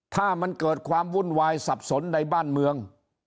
ถ้ามันเกิดความวุ่นวายสับสนในบ้านเมือง